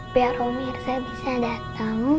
biar om irsa bisa datang